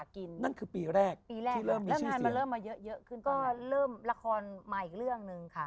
ตอนนั้นมีเงินอยู่ในแบงค์